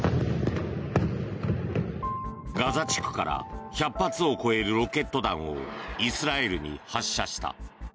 ガザ地区から１００発を超えるロケット弾をイスラエルに発射した。